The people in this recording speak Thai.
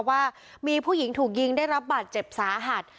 ว่ามีผู้หญิงถูกยิงได้รับบาดเจ็บสาหัส